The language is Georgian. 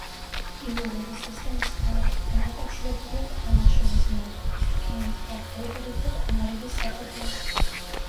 იურული სისტემის ნალექებთან დაკავშირებულია ქვანახშირის, ნავთობის, რკინის, ფოსფორიტების და ქვამარილის საბადოები.